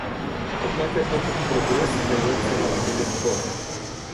Однако этот прогресс дается нам нелегко.